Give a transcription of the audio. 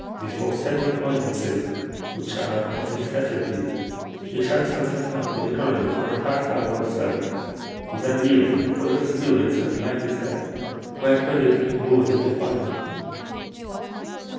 Before certain audiences, which are of necessity, he shuts himself up with the colonel for a half hour or so, and then leaves him, full of spirits and light as air, quite ready to meet bores and defy them."